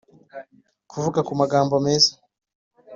kuvuga kumagambo meza